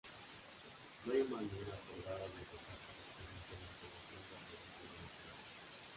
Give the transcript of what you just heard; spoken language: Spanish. No hay manera acordada de anotar correctamente la entonación del merengue venezolano.